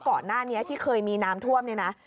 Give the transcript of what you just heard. ก่อนหน้านี้ที่เคยมีน้ำท่วมเนี่ยนะ